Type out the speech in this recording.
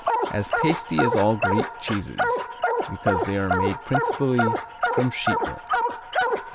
As tasty as all Greek cheeses because they are made principally from sheep milk.